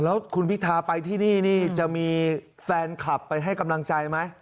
แล้วคุณพิทารไปที่นี่จะมีแฟนคลับให้กำลังใจมั้ย